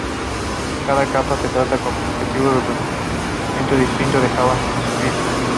Cada capa se trataba como objeto documento distinto en JavaScript.